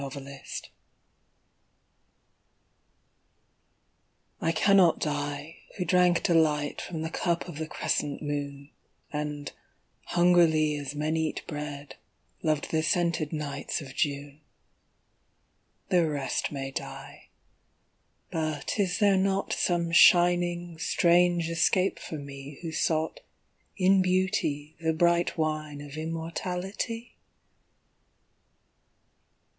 The Wine I cannot die, who drank delight From the cup of the crescent moon, And hungrily as men eat bread, Loved the scented nights of June. The rest may die but is there not Some shining strange escape for me Who sought in Beauty the bright wine Of immortality?